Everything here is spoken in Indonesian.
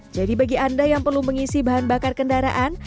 jadi bagi anda yang perlu mengisi bahan bakar kendaraan